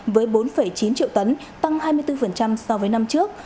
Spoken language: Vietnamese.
với bốn chín triệu tấn tăng hai mươi bốn so với năm trước